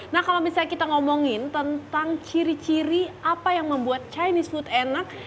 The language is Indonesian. nah kalau misalnya kita ngomongin tentang ciri ciri apa yang membuat chinese food enak